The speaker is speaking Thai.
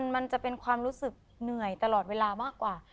มันจะเป็นความรู้สึกเหนื่อยตลอดเวลามากกว่า